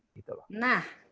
nah itu dia